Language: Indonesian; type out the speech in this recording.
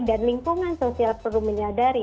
dan lingkungan sosial perlu menyadari